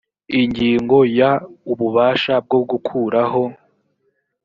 ingingo ya…: ububasha bwo gukuraho